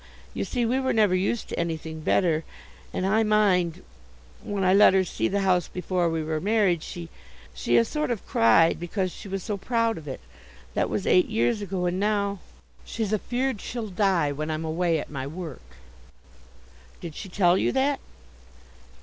You see, we were never used to anything better, and I mind, when I let her see the house before we were married, she she a sort of cried, because she was so proud of it. That was eight years ago, and now, she's afeard she'll die when I'm away at my work." "Did she tell you that?"